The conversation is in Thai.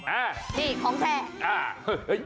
นี่ของแท้